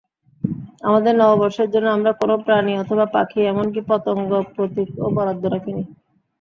আমাদের নববর্ষের জন্য আমরা কোনো প্রাণী অথবা পাখি, এমনকি পতঙ্গ প্রতীকও বরাদ্দ রাখিনি।